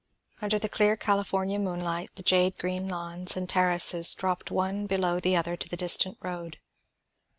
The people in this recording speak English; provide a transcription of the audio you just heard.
Under the clear California moonlight the jade green lawns and terraces dropped one below the other to the distant road.